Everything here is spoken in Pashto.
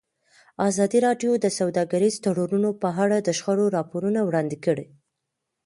ازادي راډیو د سوداګریز تړونونه په اړه د شخړو راپورونه وړاندې کړي.